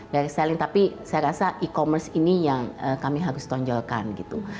dari selling tapi saya rasa e commerce ini yang kami harus tonjolkan gitu